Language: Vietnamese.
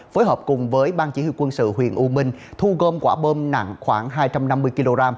phối hợp cùng với ban chỉ huy quân sự huyện u minh thu gom quả bom nặng khoảng hai trăm năm mươi kg